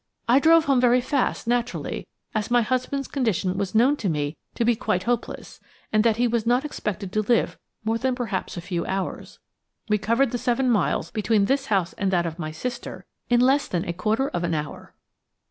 I drove home very fast, naturally, as my husband's condition was known to me to be quite hopeless, and that he was not expected to live more than perhaps a few hours. We covered the seven miles between this house and that of my sister in less than a quarter of an hour."